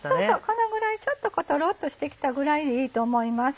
このぐらいちょっとトロっとしてきたぐらいでいいと思います。